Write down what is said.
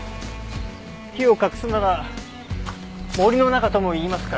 木を隠すなら森の中とも言いますから。